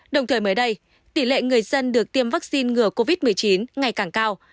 đồng thời mới đây tỷ lệ người dân được tiêm vaccine ngừa covid một mươi chín ngày càng cao